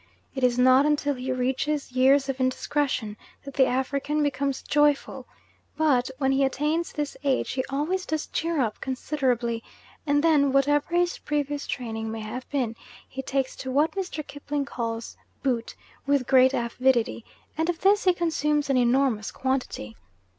It is not until he reaches years of indiscretion that the African becomes joyful; but, when he attains this age he always does cheer up considerably, and then, whatever his previous training may have been, he takes to what Mr. Kipling calls "boot" with great avidity and of this he consumes an enormous quantity.